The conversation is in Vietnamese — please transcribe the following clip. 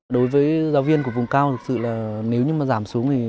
đối với giáo viên của vùng cao thực sự là nếu như mà giảm xuống thì